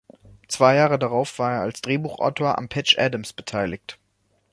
Zwei Jahre darauf war er als Drehbuchautor am "Patch Adams" beteiligt.